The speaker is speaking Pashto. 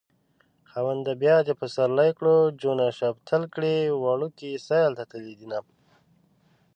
خاونده بيا دې پسرلی کړو جونه شفتل کړي وړکي سيل ته تللي دينه